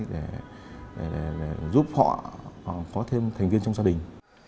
để giúp họ có thêm thành viên trong gia đình